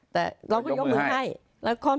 แต่เราก็ยกมือให้